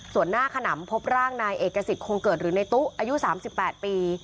ส่วนหน้าขนำพบร่างนายเอกสิทธิคงเกิดหรือในตู้อายุ๓๘ปี